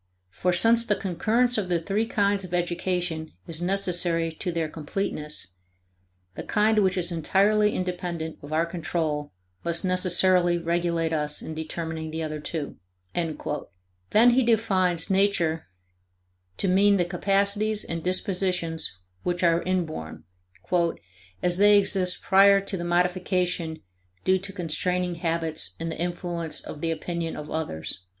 For since the concurrence of the three kinds of education is necessary to their completeness, the kind which is entirely independent of our control must necessarily regulate us in determining the other two." Then he defines Nature to mean the capacities and dispositions which are inborn, "as they exist prior to the modification due to constraining habits and the influence of the opinion of others."